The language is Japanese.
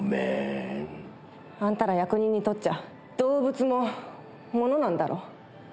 あんたら役人にとっちゃ動物もモノなんだろ？